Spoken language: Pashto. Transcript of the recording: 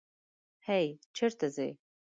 هی! چېرې ځې؟